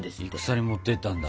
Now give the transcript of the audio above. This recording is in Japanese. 戦に持っていったんだ。